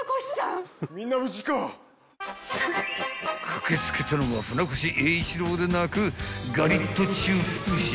［駆け付けたのは船越英一郎でなくガリットチュウ福島］